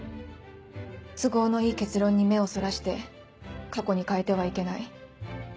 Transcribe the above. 都合のいい結論に目をそらして過去に変えてはいけない。